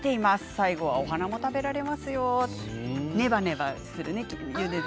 最後はお花も食べますよ。